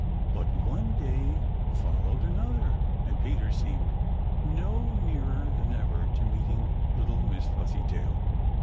But one day followed another, and Peter seemed no nearer than ever to meeting little Miss Fuzzytail.